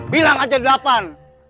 bilang aja delapan